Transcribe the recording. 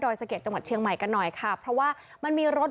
ด่อยศักยศจมอเทียงใหม่กันหน่อยค่ะเพราะว่ามีรถ